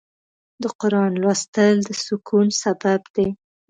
د قرآن لوستل د سکون سبب دی.